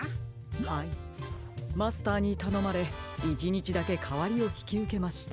はいマスターにたのまれいちにちだけかわりをひきうけました。